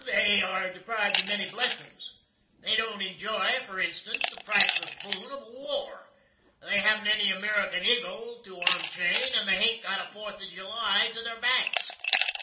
Troo, they air deprived of many blessins. They don't enjoy for instans, the priceless boon of a war. They haven't any American Egil to onchain, and they hain't got a Fourth of July to their backs.